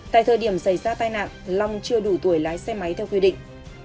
tại thời điểm xảy ra tai nạn long chưa đủ tuổi lái xe máy theo quy định